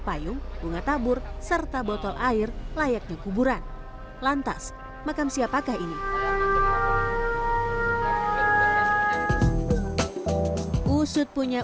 payung bunga tabur serta botol air layaknya kuburan lantas makam siapakah ini usut punya